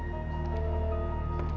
tentang apa yang terjadi